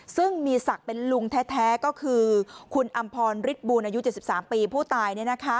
ซึ่งมีศักดิ์เป็นลุงแท้ก็คือคุณอำพรฤทธบูรณ์อายุ๗๓ปีผู้ตาย